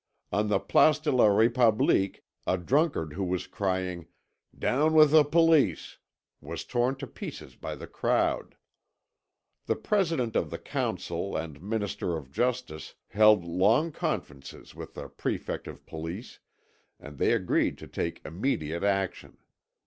On the Place de la République a drunkard who was crying "Down with the police" was torn to pieces by the crowd. The President of the Council and Minister of Justice held long conferences with the Prefect of Police, and they agreed to take immediate action.